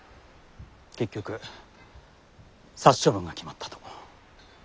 結局殺処分が決まったと。